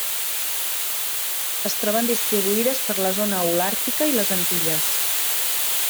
Es troben distribuïdes per la zona holàrtica i les Antilles.